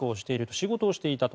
仕事をしていたと。